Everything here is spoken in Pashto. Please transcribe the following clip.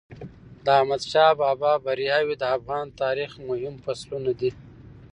د احمدشاه بابا بریاوي د افغان تاریخ مهم فصلونه دي.